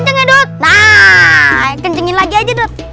nah kencengin lagi aja